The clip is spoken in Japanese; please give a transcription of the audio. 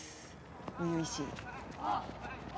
初々しい。